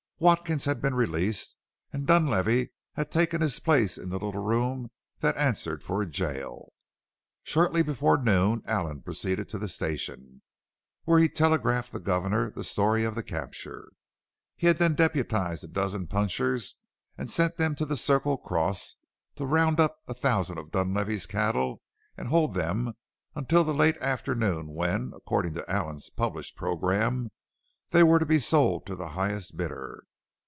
Watkins had been released and Dunlavey had taken his place in the little room that answered for a jail. Shortly before noon Allen proceeded to the station, where he telegraphed to the governor the story of the capture. He had then deputized a dozen punchers and sent them to the Circle Cross to round up a thousand of Dunlavey's cattle and hold them until the late afternoon when, according to Allen's published program, they were to be sold to the highest bidder.